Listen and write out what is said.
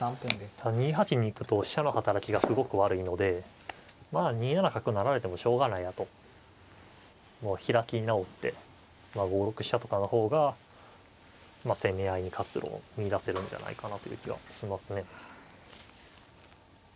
ただ２八に行くと飛車の働きがすごく悪いので２七角成られてもしょうがないなともう開き直って５六飛車とかの方が攻め合いに活路を見いだせるんじゃないかなという気はしますね。